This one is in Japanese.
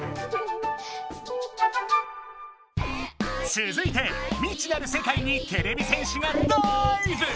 つづいて未知なる世界にてれび戦士がダイブ！